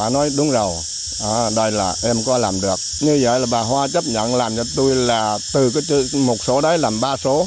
như vậy là bà hoa chấp nhận làm cho tôi là từ một số đấy làm ba số